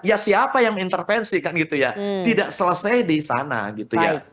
ya siapa yang intervensi kan gitu ya tidak selesai di sana gitu ya